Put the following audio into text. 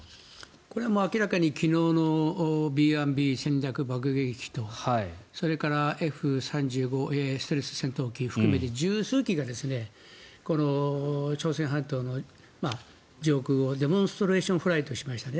これは明らかに昨日のＢ１Ｂ戦略爆撃機とそれからＦ３５ステルス戦闘機含めて１０数機が朝鮮半島の上空をデモンストレーションフライトしましたね。